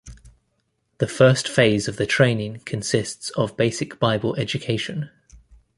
The first phase of the training consists of basic Bible education.